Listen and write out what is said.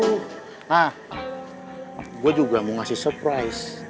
nah gue juga mau ngasih surprise